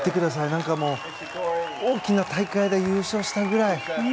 何かもう、大きな大会で優勝したぐらい。